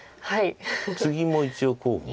ツギも一応候補。